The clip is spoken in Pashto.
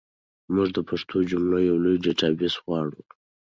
موږ د پښتو جملو یو لوی ډیټابیس غواړو.